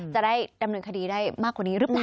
จะได้ดำเนินคดีได้มากกว่านี้หรือเปล่า